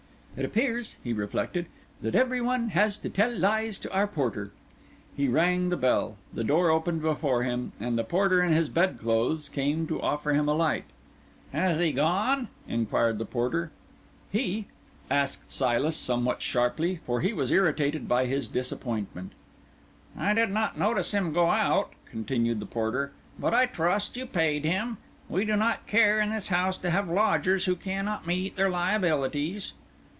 "It appears," he reflected, "that every one has to tell lies to our porter." He rang the bell, the door opened before him, and the porter in his bed clothes came to offer him a light. "Has he gone?" inquired the porter. "He? Whom do you mean?" asked Silas, somewhat sharply, for he was irritated by his disappointment. "I did not notice him go out," continued the porter, "but I trust you paid him. We do not care, in this house, to have lodgers who cannot meet their liabilities."